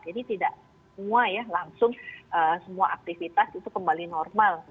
jadi tidak semua ya langsung semua aktivitas itu kembali normal